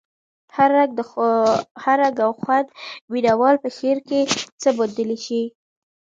هر رنګ او خوند مینه وال په شعر کې څه موندلی شي.